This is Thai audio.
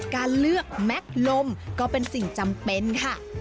การเลือกแม็กซ์ลมก็เป็นสิ่งจำเป็นค่ะ